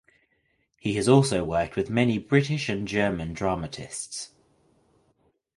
He has also worked with many British and German dramatists.